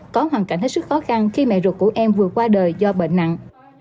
có hoàn cảnh hết sức khó khăn khi mẹ ruột của em vừa qua đời do bệnh nặng